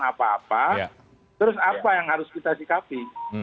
apa apa terus apa yang harus kita sikapi